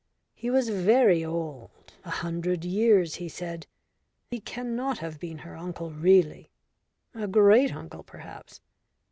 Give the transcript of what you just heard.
He was very old a hundred years, he said he cannot have been her uncle really. A great uncle perhaps.